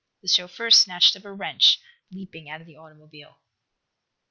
The chauffeur snatched up a wrench, leaping out of the automobile.